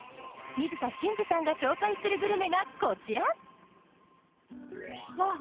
水田信二さんが紹介するグルメがこちらわあ！